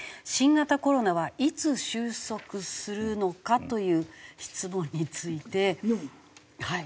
新型コロナはいつ収束するのか？という質問について。